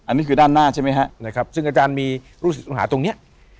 อันนี้คือด้านหน้าใช่ไหมฮะนะครับซึ่งอาจารย์มีลูกศิษย์ลูกหาตรงเนี้ย